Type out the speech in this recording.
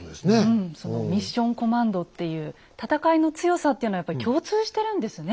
うんそのミッション・コマンドっていう戦いの強さっていうのはやっぱり共通してるんですね